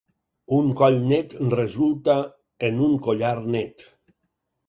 Un coll net resulta en un collar net.